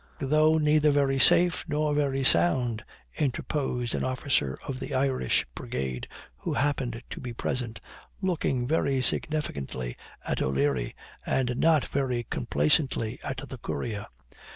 'Though neither very safe, nor very sound,' interposed an officer of the Irish Brigade, who happened to be present, looking very significantly at O'Leary, and not very complacently at the courier.